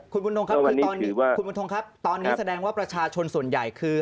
คุณบุญทงครับตอนนี้แสดงว่าประชาชนส่วนใหญ่คือ